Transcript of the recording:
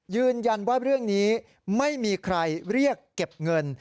ยืนยันว่าเรื่องนี้ไม่มีใครเรียกเก็บเงิน